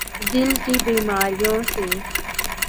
دل کی بیماریوں س